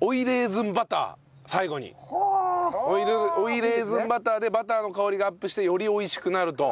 追いレーズンバターでバターの香りがアップしてより美味しくなると。